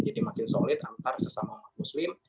jadi makin solid antar sesama umat muslim